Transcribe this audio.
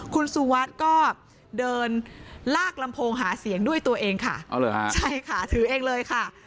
คุณสุวัสดิ์ก็เดินลากลำโพงหาเสียงด้วยตัวเองค่ะใช่ค่ะถือเองเลยค่ะ